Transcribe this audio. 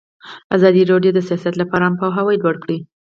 ازادي راډیو د سیاست لپاره عامه پوهاوي لوړ کړی.